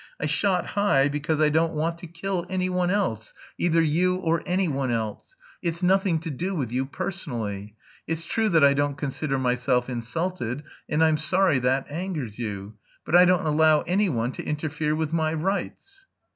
"I shot high because I don't want to kill anyone else, either you or anyone else. It's nothing to do with you personally. It's true that I don't consider myself insulted, and I'm sorry that angers you. But I don't allow any one to interfere with my rights."